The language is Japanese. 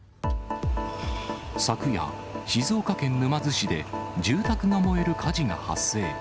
昨夜、静岡県沼津市で住宅が燃える火事が発生。